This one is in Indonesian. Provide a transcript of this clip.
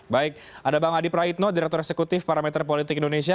baik ada bang adi praitno direktur eksekutif parameter politik indonesia